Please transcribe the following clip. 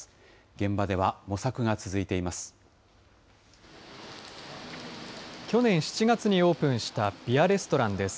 現場では模索が続いています。